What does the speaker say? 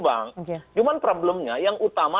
bank cuman problemnya yang utama